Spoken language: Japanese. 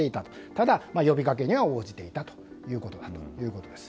ただ、呼びかけには応じていたということです。